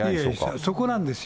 そこなんですよ。